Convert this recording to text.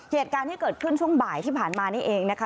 เหตุการณ์ที่เกิดขึ้นช่วงบ่ายที่ผ่านมานี่เองนะคะ